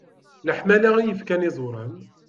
Leḥmala i yefkan iẓuran.